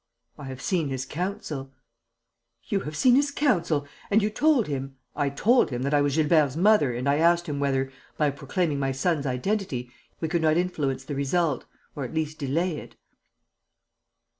"I have seen his counsel." "You have seen his counsel! And you told him...." "I told him that I was Gilbert's mother and I asked him whether, by proclaiming my son's identity, we could not influence the result ... or at least delay it."